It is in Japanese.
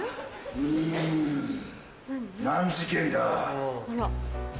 うん難事件だ。